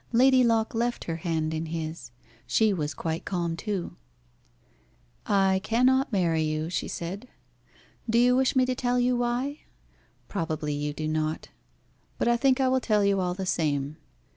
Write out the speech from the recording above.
Lady Locke left her hand in his. She was quite calm too. "I cannot marry you," she said. "Do you wish me to tell you why? Probably you do not; but I think I will tell you all the same.